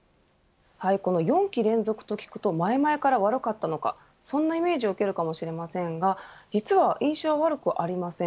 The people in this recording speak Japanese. この４期連続と聞くと前々から悪かったのかそんなイメージを受けるかもしれませんが、実は印象は悪くありません。